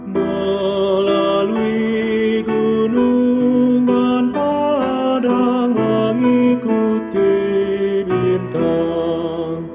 melalui gunung dan padang mengikuti bintang